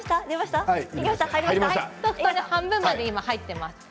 今、半分まで入ってます。